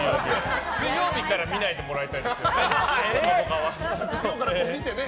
水曜日は見ないでもらいたいですね。